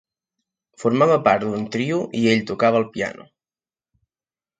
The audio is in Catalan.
Formava part d'un trio i ell tocava el piano.